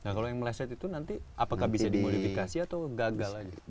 nah kalau yang meleset itu nanti apakah bisa dimodifikasi atau gagal aja